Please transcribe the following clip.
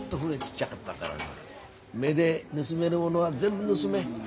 目で盗めるものは全部盗め。